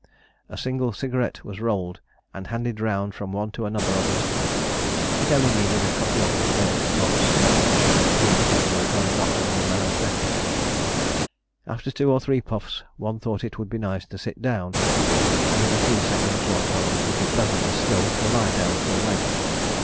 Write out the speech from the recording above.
A single cigarette was rolled and handed round from one to another of us. It only needed a couple of inhaled puffs to make each of us feel as if we were going off under an anæsthetic. After the two or three puffs one thought it would be nice to sit down, and in a few seconds one felt it would be pleasanter still to lie down full length.